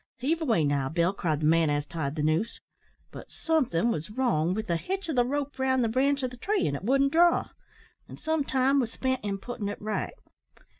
"`Heave away now, Bill,' cried the man as tied the noose. "But somethin' was wrong with the hitch o' the rope round the branch o' the tree, an' it wouldn't draw, and some time wos spent in puttin' it right.